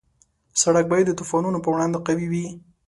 سړک باید د طوفانونو په وړاندې قوي وي.